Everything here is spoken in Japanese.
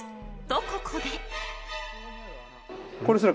と、ここで。